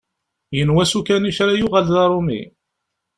Yenwa s ukanic ara yuɣal d aṛumi.